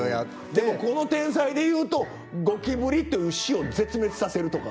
でもこの天才でいうとゴキブリという種を絶滅させるとか。